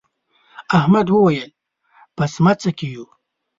احمد وويل: په سمڅه کې یو.